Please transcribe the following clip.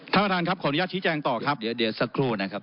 ท่านประธานครับขออนุญาตชี้แจงต่อครับเดี๋ยวสักครู่นะครับ